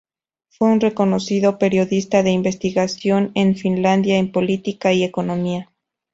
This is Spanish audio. Fue un reconocido periodista de investigación en Finlandia en política y economía.